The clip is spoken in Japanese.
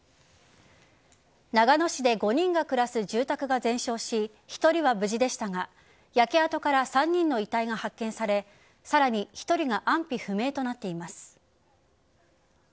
長野市で５人が暮らす住宅が全焼し１人は無事でしたが焼け跡から３人の遺体が発見されさらに１人が安否不明となっています。